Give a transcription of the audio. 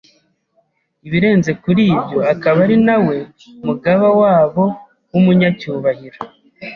ibirenze kuri byo akaba ari na we mugaba wabo w’umunyacyubahiro